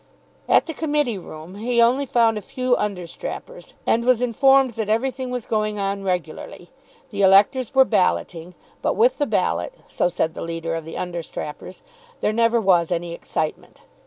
At the committee room he only found a few understrappers, and was informed that everything was going on regularly. The electors were balloting; but with the ballot, so said the leader of the understrappers, there never was any excitement.